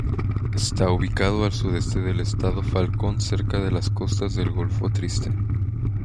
Está ubicado al sudeste del Estado Falcón cerca de las costas del Golfo Triste.